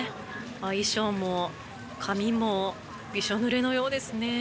衣装も髪もびしょぬれのようですね。